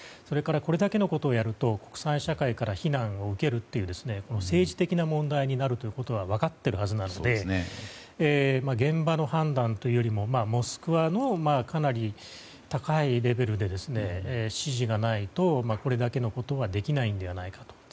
それから、これだけのことをやると国際社会から非難を受けるという政治的な問題になるということは分かっているはずなので現場の判断というよりもモスクワのかなり高いレベルで指示がないとこれだけのことはできないのではないかと。